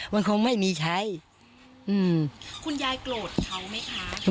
มันคงไม่มีใครอืมคุณยายโกรธเขาไหมคะ